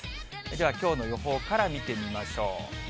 では、きょうの予報から見てみましょう。